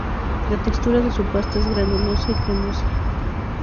La textura de su pasta es granulosa y cremosa.